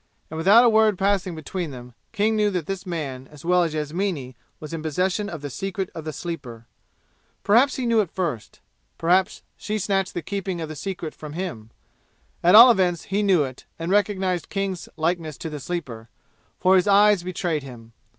And without a word passing between them, King knew that this man as well as Yasmini was in possession of the secret of the Sleeper. Perhaps he knew it first; perhaps she snatched the keeping of the secret from him. At all events he knew it and recognized King's likeness to the Sleeper, for his eyes betrayed him.